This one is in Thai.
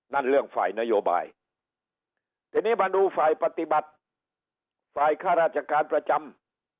นั่นเรื่องฝ่ายนโยบายทีนี้มาดูฝ่ายปฏิบัติฝ่ายค่าราชการประจำ